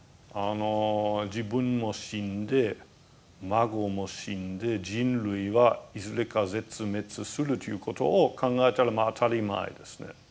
自分も死んで孫も死んで人類はいずれか絶滅するということを考えたら当たり前ですね。